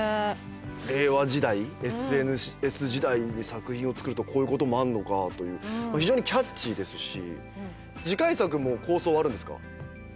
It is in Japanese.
令和時代ＳＮＳ時代に作品を作るとこういうこともあんのかという非常にキャッチーですし。